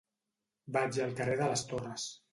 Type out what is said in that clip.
Vaig al carrer de les Torres.